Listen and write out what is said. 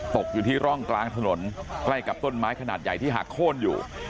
ตกอยู่ที่ร่องกลางถนนใกล้กับต้นไม้ขนาดใหญ่ที่หักโค้นอยู่